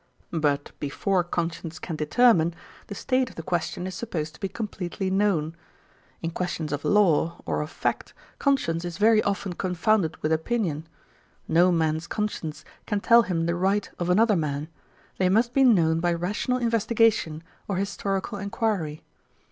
But before conscience can determine, the state of the question is supposed to be completely known. In questions of law, or of fact, conscience is very often confounded with opinion. No man's conscience can tell him the right of another man; they must be known by rational investigation or historical enquiry.